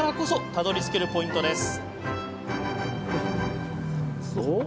たどりつけるポイントです。